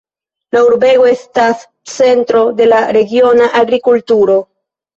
La urbego estas centro de la regiona agrikulturo.